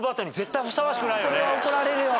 これは怒られるよ。